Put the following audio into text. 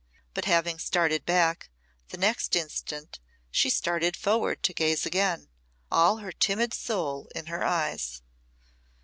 But having started back, the next instant she started forward to gaze again, all her timid soul in her eyes.